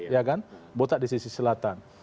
ya kan botak di sisi selatan